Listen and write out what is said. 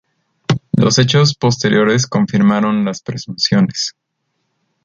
Los hechos posteriores confirmaron las presunciones.